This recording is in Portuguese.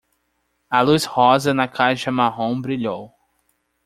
A luz rosa na caixa marrom brilhou.